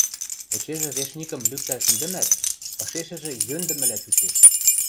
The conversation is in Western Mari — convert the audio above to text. эчежӹ вешникӹм лӱктӓл шӹндӹмӓт ышешӹжӹ йӧндӹмӹлӓ чучеш.